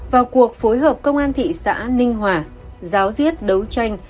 vào cuộc phối hợp công an thị xã ninh hòa giáo diết đấu tranh